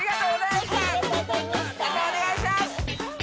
またお願いします。